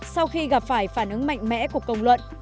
sau khi gặp phải phản ứng mạnh mẽ của công luận